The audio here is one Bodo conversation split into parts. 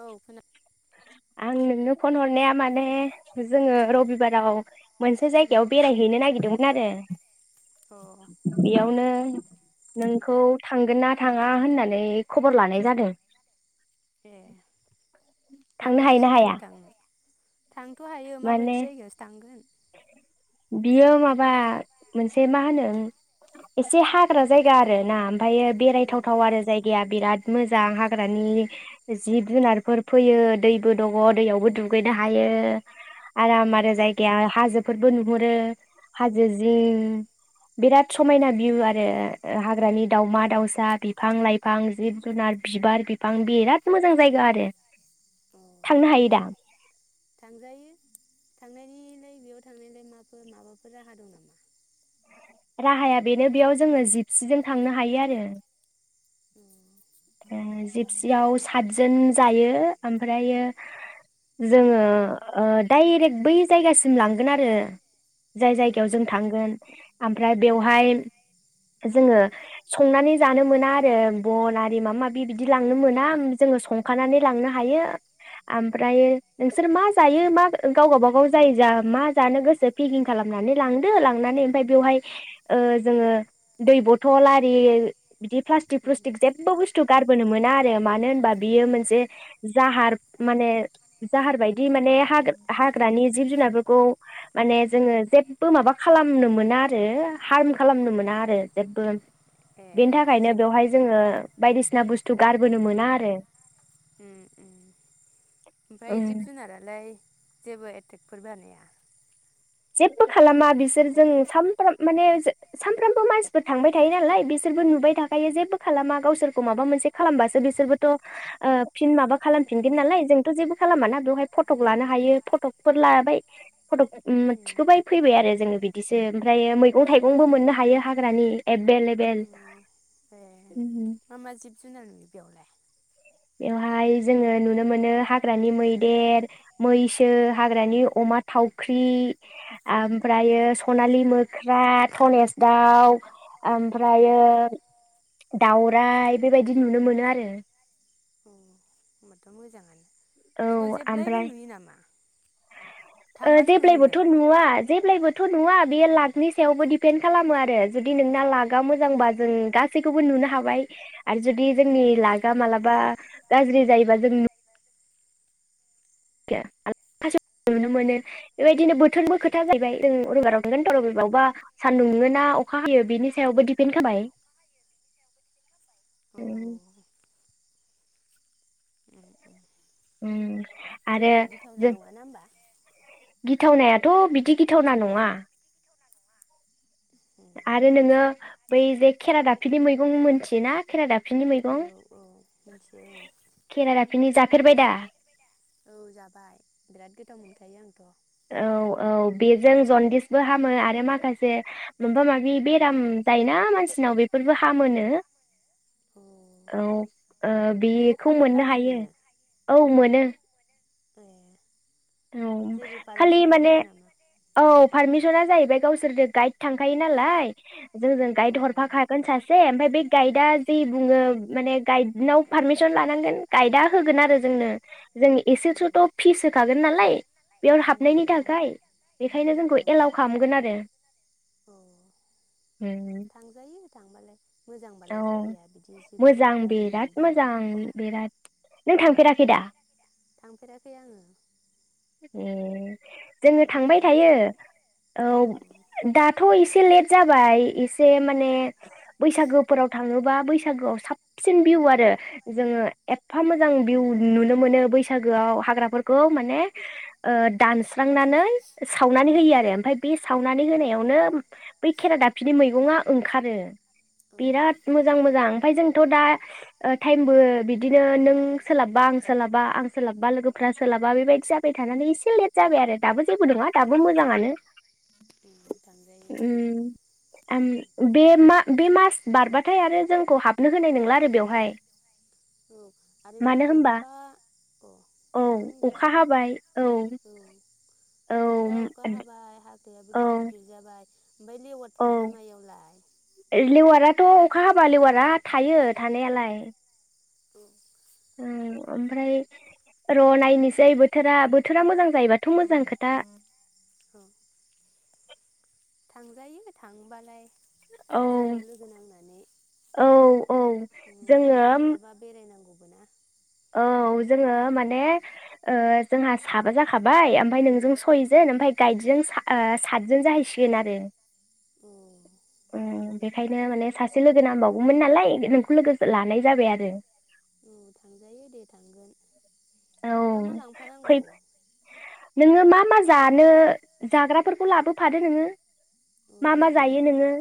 औ खोना आं नोंनो फन हरनाया माने जोंङो रबिबाराव मोनसे जायगायाव बेरायहैनो नागिरदोंमोन आरो। यावनो यो नोंखौ थांगोन ना थांङा होननानै खबर लानाय जादों। ऐह माबायदि जायगायाव थांङो? थांथ' हायो माबायदि जायगायावसो थांगोन। बियो माबा मोनसे मा होनो एसे हाग्रा जायगा आरो ना ओमफायो बेरायथावथाव आरो जायगाया बिराद मोजां हाग्रानि जिब जुनारफोर फैयो दैबो दंङ दैयावबो दुगैनो हायो। आराम आरो जायगाया हाजोब फोरबो नुहुरो हाजो जिं बिराद समायना भिउ आरो हाग्रानि दावमा दावसा बिफां लाइफां जिब जुनार बिबार बिफां बिराद मोजां जायगा आरो। थांनो हायो दा? थांजायो थांनायनिलाय बेयाव थांनायलाय माफोर माबाफोर राहा दं नामा? राहाया बेनो बेयाव जोङो जिपसिजों थांनो हायो आरो। अ' उम जिपसियाव सातजोन जायो। ओमफ्रायो जोङो ओ डाइरेक्ट बै जायगासिम लांगोन आरो। जाय जायगायाव जों थांगोन आमफ्राय बेवहाय जोङो संनानै जानो मोना आरो बन आर रि मा माबि बिदि लांनो मोना जोङो संखानानै लांनो हायो आमफ्राय नोंसोर मा जायो मा गावगा बागाव जाय मा जानो गोसो पेकिं खालामनानै लांदो लांनानै ओमफ्राय बेवहाय ओ जोङो दै बथल आरि बिदि प्लास्टिक प्लुस्टिक जे बो बुस्थु गारबोनो मोना आरो मानो होनबा बियो मोनसे जाहार माने जाहार बायदि माने हाग-हाग्रानि जिब जुनारफोरखौ माने जोङो जेबबो माबा खालामनो मोना आरो हार्म खालामनो मोना आरो जेब्बो। बेनि थाखायनो बेवहाय जोङो बायदिसिना बुस्थु गारबोनो मोना आरो। उम उम ओमफाय जिब जुनारालाय जेबो एटेकफोर बानाया? जेब्बो खालामा बिसोर जों सामफ्राम माने सानफ्रामबो मानसिफोर थांबाय थायो नालाय बिसोरबो नुबाय थाखायो जेब्बो खालामा गावसोरखौ माबा मोनसे खालामबासो बिसोरबोथ' ओ‌ फिन माबा खालामफिनगोन नालाय जोंथ' जेबो खालामाना बेवहाय फटक लानो हायो फटकफोर लाबाय फटक उम थिखोबाय फैबाय आरो जोङो बिदिसो ओमफ्रायो मैगं थाइगंबो मोननो हायो हाग्रानि एभेलेबेल। मा मा जिब जुनार नुयो बेयावलाय? बेवहाय जोङो नुनो मोनो हाग्रानि मैदेर, मैसो, हाग्रानि अमा थावख्रि, आमफ्रायो सनालि मोख्रा, धनेस दाउ, ओमफ्रायो दाउराइ, बेबायदि नुनो मोनो आरो। होनबाथ' मोजाङानो। बेखौ जेब्लायबो नुयो नामा? ओ जेब्लायबोथ' नुवा जेब्लायबो थ' नुवा बेयो लाकनि सायावबो डिपेन्ड खालामो आरो जुदि नोंना लाका मोजांबा जों गासैखौबो नुनो हाबाय आरो जुदि जोंनि लाका मालाबा गाज्रि जायोबा जों नु [unintelligible] नुनो मोनो बेबायदिनो बोथोरनिबो खोथा जाहैबाय जों अबेबाराव थांगोन अबेबावबा सान्दुं दुङोना अखा हायो बिनि सायावबो दिपेन्ड खामबाय उम। उम जेबो गिथावना नङा ना होमबा? गिथावनायाथ' बिदि गिथावना नङा। आरो नोङो बै जे खेरा दाफिनि मैगं मोनथियोना खेरा दा औ औ मिथि यो औ। औ जाबाय बिराद गोथाव मो खायो आंथ'। औ औ बेजों जनदिसबो हामो आरो माखासे माबा माबि बेराम जायोना मानसिनाव बेफोरबो हामोनो। औ ओ बेखौ मोननो हायो औ मोनो। ए। औ खालि माने औ पारमि सना जाहैबाय गावसोरदो गाइद थांखायो नालाय। जोंजों गाइद हरफाखागोन सासे ओमफाय बे गाइदा जे बुङो माने गाइदनाव पारमिसन लानांगोन गाइदा होगोन आरो जोंनो। जों एसेसोथ' फिस होखा गोन नालाय बेयाव हाबनायनि थाखाय बेनिखायनो जोंखौ एलाउ खामगोन आरो उम। औ मोजां बिराद मोजां बिराद उम। थांफेराखै आङो। [inaudible] जोङो थांबाय थायो औ दाथ' एसे लेट जाबाय इसे माने बैसागोफोराव थाङोबा बैसागोआव साबसिन भिउ आरो जोङो एफ्फा मोजां भिउ नुनो मोनो बैसागोआव हाग्राफोरखौ माने ओ डान्स नानै सावनानै होयो आरो ओमफाय बे सावनानै होनायावनो बै खेरादाफिनि मैगङा ओंखारो। बिराद मोजां मोजां फाय जोंथ' दा टाइमबो बिदिनो नों सोलाब्बा आं सोलाबा आं सोलाब्बा लोगोफ्रा सोलाबा बेबायदि जा बाय थानानै एसे लेट जाबाय आरो दाबो जेबो नङा दाबो मोजाङानो। उम बे मा बे मास बारबाथाय आरो जोंखौ हाबनो होनाय नोंला आरो बेवहाय मानो होमबा औ अखा हाबाय औ एफ्बा अखा हाबाय हा दैयाबो गिदिर गिदिर जाबाय। ओमफाय लेवाद थाया नामा एयावलाय? अखा हाबा लेवारा थायो थानायालाय। औ। उम ओमफ्राय र' नायनोसै बोथोरा बोथोरा मोजां जायोबाथ' मोजां खोथा। थांजायो थाङोबालाय। ज' लोगो नांनानै उम मालाबा मालाबा बेरायनांगौ। मोनोना। औ जोङो माने जोंहा साबा जाखाबाय ओमफ्राय नोंजों सयजन ओमफ्राय गाइडजों सातजोन जाहैसिगोन आरो। ओ बेखायनो माने सासे। एसे लोगो नांबावगौमोन नालाय नोंखौ लोगो लानाय जाबाय आरो। [unintelligible] थांजायो दे थांगोन। मा मा लांफानांगौ? नोङो मा मा जानो जाग्राफोरखौ लाबोफादो नोङो मा मा जायो नोङो?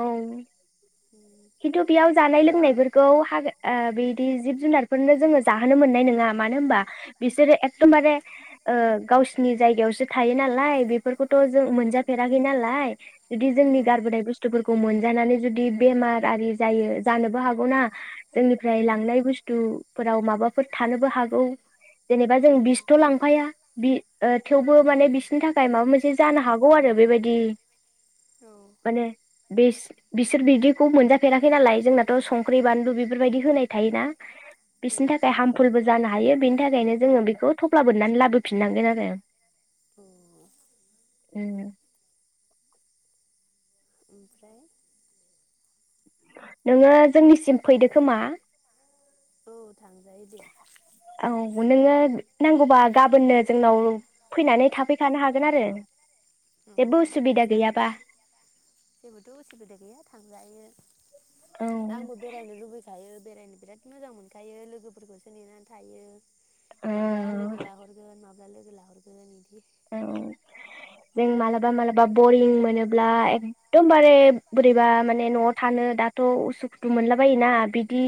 औ। उम खिन्थु बेयाव जानाय लोंनायफोरखौ हा ओ बिदि जिब जुनारफोरनो जोङो जाहोनो मोननाय नङा मानो होनबा बिसोरो एखदमबारे ओ गावसिनि जायगायाव थायो नालाय बेफौरखौथ जों मोनजाफेराखै नालाइ जुदि जोंनि गारबोनाय बस्थुफोरखौ खौ मोनजानानै जुदि बेमार आरि जायो जानोबो हागौना जोंनिफ्राय लांनाय बुस्थु फोराव माबाफोर थानोबो हागौ। जेनेबा जों बिसथ' लांफाया बि ओ थेवबो माने बिसोरनि थाखाय माबा मोनसे जानो हागौ आरो। बेबायदि माने बिस-बिसोर बिदिखौ मोनजाथ फेराखै नालाय जोंनाथ' संख्रि बानलु बेफोरबायदि होनाय थायोना। बिसोरनि थाखाय हार्मफुलबो जानो हायो बेनि थाखायनो जोङो बेखौ थफ्ला बोननानै लाबोफिननांगोन आरो। ओमफ्राय नोङो जोंनिसिम फैदो खोमा औ। थांजायो दे। नोङो नांगौबा गाबोननो जोंनाव फैनानै थाफैखानो हागोन आरो। अ जागोन दे जेबोथ' उसुबिदा गैया थांजायो आंबो बेरायनो लुबैखायो। बेरायनो बिराद मोजां मोनखायो लोगोफोरखौसो नेनानै थायो। माब्ला लोगो लाहरगोन माब्ला लोगो लाहरगोन औ। जों मालाबा मालाबा बरिं मोनो। जेब्ला एखदमबारे बोरैबा माने न'आव थानो दाथ' उसुखुथु मोनला बायोना बिदि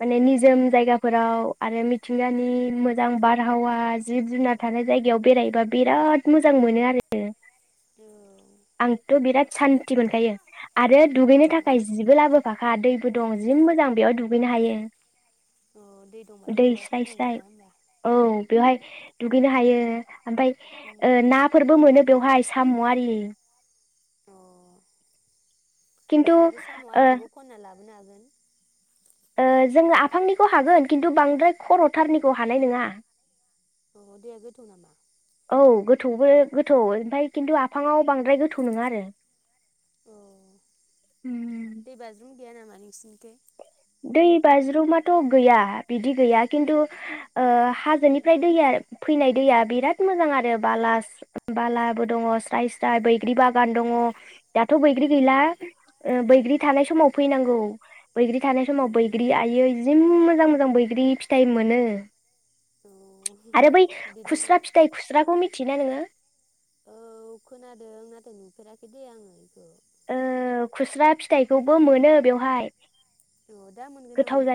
माने निजोम जायगाफोराव आरो मिथिंगानि मोजां बारहावा जिब जुनार थानाय जायगायाव बेरायबा बिराद मोजां मोनो आरो। उम। थ' बिराद सान्थि मोनखायो आरो दुगैनो थाखाय जिबो लाबोफाखा दैबो दं जि मोजां बेयाव दुगैनो हायो। अ दै दंबाथ' बिराद मोजां खोथा होमबा बेवहाय दुगैनो हायो ओमफाय ओ नाफोरबो मोनो। बेवहाय साम'आरि होनबाथ' साम' आरिखौबो खनना लाबो नागोन ओ जोङो आफांनिखौ हागोन खिन्थु बांद्राय खर'थारनिखौ हानाय नोङा। अ दैया गोथौ नामा? औ गोथौबो गोथौ ओमफाय खिन्थु आफाङाव बांद्राय गोथौ नङा आरो। अ दै बाज्रुम गैया नामा नोंसिनिथिं? दै बाज्रुमाथ' गैया बिदि गैया खिन्थु ओ हाजोनिफ्राय दैया फैनाय दैया बिराद मोजां आरो बालाफ्स बालाबो दङ स्राय स्राय बैग्रि बागान दङ। दाथ' बैग्रि गैला ओ बैग्रि थानाय समाव फैनांगौ। बैग्रि थानाय समाव बैग्रि आयै जि मो मोजां मोजां बैग्रि फिथाइ मोनो। आरो बै खुस्रा फिथाइ खुस्राखौ मिथियोना नोङो? [unintelligible] ओ खुस्रा फिथाइखौबो मोनो बेवहाय। औ दा मोनगोन ना मोना?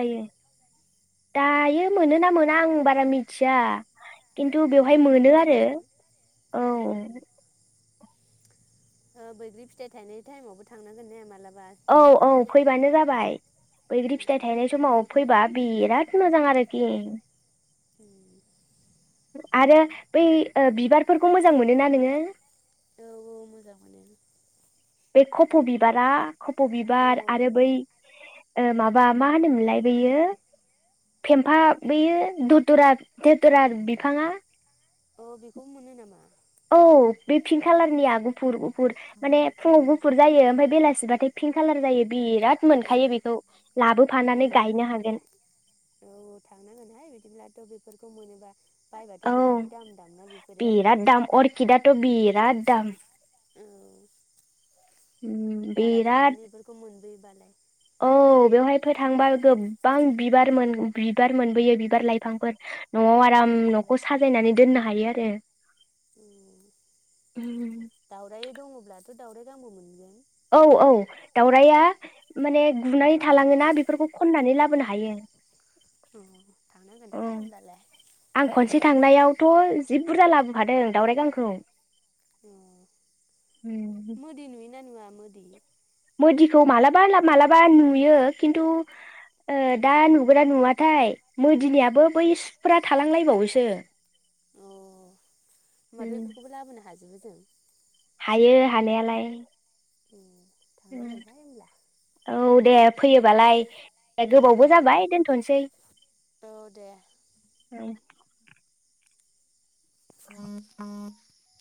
दायो मोनो ना मोना आं बारा मिथिया। खिन्थु बेवहाय मोनो आरो औ। ओ बैग्रि फिथाइ थायनाय टाइमावबो थांनांगोन ने मालाब औ औ फैबानो जाबाय। बाय बैग्रि फिथाइ थायनाय समाव फैबा बिराद मोजां आरोखि। उम। आरो बै ओ बिबारफोरखौ मोजां मोनोना नोङो? औ औ मोजां मोनो। बे खफ' बिबारा खफ' बिबार आरो बै ओ माबा मा होनोमोनलाय बैयो फेम्फा बैयो दुदुरा धुदुरा बिफाङा औ बे पिंक कालारनिया गुफुर गुफुर माने फुङाव गुफुर जायो ओमफ्राय बेलासिबाथाय पिंक कालार जायो बिराद फु मोनखायो बेखौ लाबोफानानै गायनो हागोन फोरखौ मोनोबा औ बिराद दाम अर्किदआथ' बिराद दाम औ जाहाराव थांनानै इफोरखौ मोनबोयो बालाय औ बेवहायफो थांबा गोबां बिबार मोन बिबार मोनबोयो बिबार लाइफांफोर न'आव आराम न'खौ साजायनानै दोननो हायो आरो ओम दावराय दङब्लाथ दावराय गांबो मोनगोन औ-औ दाउरायया माने गुनानै थालाङोना बेफोरखौ खननानै लाबोनो हायो ओं आं खनसे थां थांनायावथ' जिब बुरजा लाबोफादों दावराइ गांखौ ओम मोदि मोदिखौ मालाबा लाब मालाबा नुयो खिन्थु ओ दा नुग्रा नुवाथाय मोदिनियाबो बै सुफ्रा थालांलायबावोसो अ होमबाथ' इफोरखौबो लाबोनो हाजोबो जों हायो हानायालाय ए थांनांगोनहाय होमब्ला दे फैयोबालाय गोबावबो जाबाय दोनथ'नोसै ओं [inaudible]